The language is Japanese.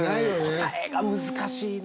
答えが難しいな。